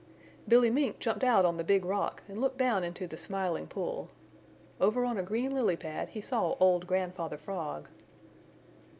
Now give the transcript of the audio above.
Billy Mink jumped out on the Big Rock and looked down into the Smiling Pool. Over on a green lily pad he saw old Grandfather Frog.